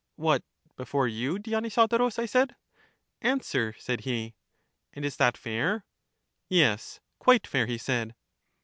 What, before you, Dionysodorus? I said. Answer, said he. And is that fair? Yes, quite fair, he said.